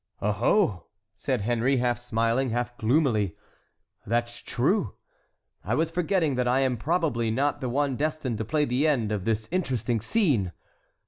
"Oho!" said Henry, half smiling, half gloomily, "that's true! I was forgetting that I am probably not the one destined to play the end of this interesting scene!